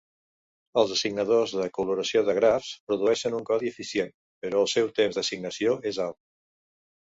Els assignadors de coloració de grafs produeixen un codi eficient, però el seu temps d'assignació és alt.